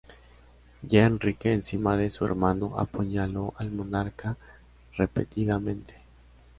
Ya Enrique encima de su hermano, apuñaló al monarca repetidamente.